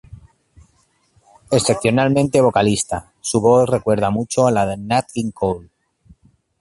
Excepcionalmente vocalista, su voz recuerda mucho a la de Nat King Cole.